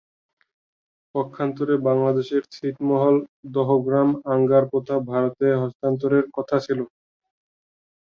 পক্ষান্তরে বাংলাদেশের ছিটমহল দহগ্রাম-আঙ্গরপোতা ভারতে হস্তান্তরের কথা ছিল।